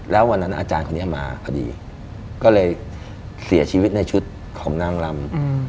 แล้ววันนั้นอาจารย์คนนี้มาพอดีก็เลยเสียชีวิตในชุดของนางลำ